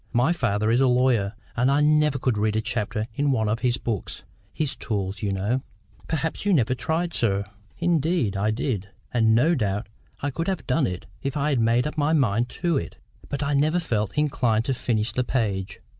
My father is a lawyer, and I never could read a chapter in one of his books—his tools, you know." "Perhaps you never tried, sir." "Indeed, I did; and no doubt I could have done it if I had made up my mind to it. But I never felt inclined to finish the page.